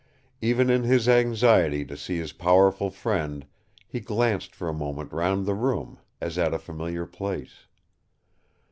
Even in his anxiety to see his powerful friend, he glanced for a moment round the room, as at a familiar place.